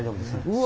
うわ。